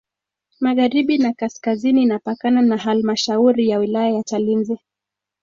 Magharibi na kaskazini inapakana na Halmashauri ya wilaya ya Chalinze